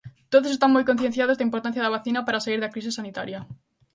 Todos están moi concienciados da importancia da vacina para saír da crise sanitaria.